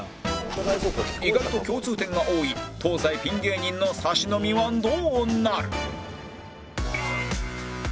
意外と共通点が多い東西ピン芸人のサシ飲みはどうなる？